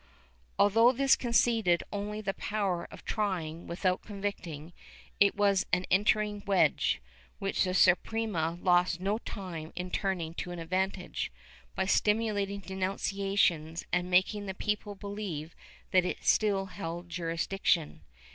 ^ Although this conceded only the power of trying without con victing, it was an entering wedge, which the Suprema lost no time in turning to advantage, by stimulating denunciations and making the people believe that it still held jurisdiction.